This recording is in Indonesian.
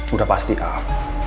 udah pasti al